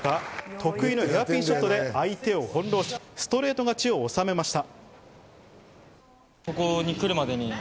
得意のヘアピンショットで相手を翻弄し、ストレート勝ちを収めました。